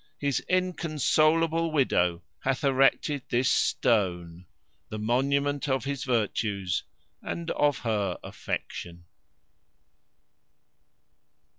HIS INCONSOLABLE WIDOW HATH ERECTED THIS STONE, THE MONUMENT OF HIS VIRTUES AND OF HER AFFECTION.